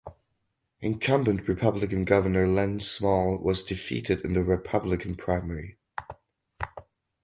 Incumbent Republican Governor Len Small was defeated in the Republican primary.